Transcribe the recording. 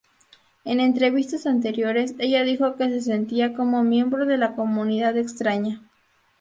En entrevistas anteriores, ella dijo que se sentía como "miembro de la comunidad extraña".